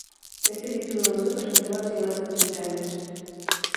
Este título no se presentaba hacía más de treinta años.